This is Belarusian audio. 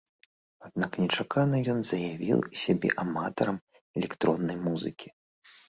Аднак нечакана ён заявіў сябе аматарам электроннай музыкі.